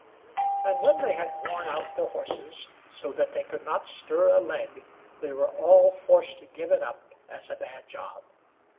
And when they had worn out their horses, so that they could not stir a leg, they were all forced to give it up as a bad job.